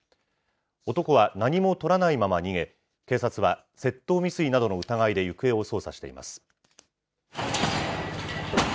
男は何もとらないまま逃げ、警察は窃盗未遂などの疑いで行方を捜査しています。